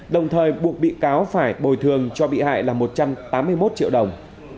đồng thời buộc bị cáo phải bồi thường cho bị hại là một trăm tám mươi một triệu đồng